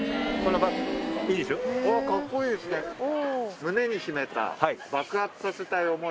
「胸に秘めた爆発させたい想い」！